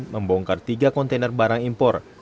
membongkar tiga kontainer barang impor